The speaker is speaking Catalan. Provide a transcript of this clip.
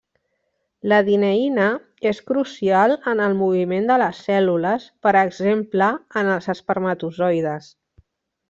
La dineïna és crucial en el moviment de les cèl·lules per exemple en els espermatozoides.